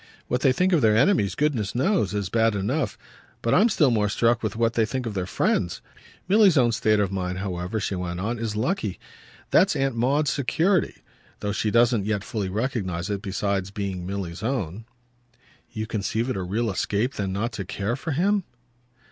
What they think of their enemies, goodness knows, is bad enough; but I'm still more struck with what they think of their friends. Milly's own state of mind, however," she went on, "is lucky. That's Aunt Maud's security, though she doesn't yet fully recognise it besides being Milly's own." "You conceive it a real escape then not to care for him?"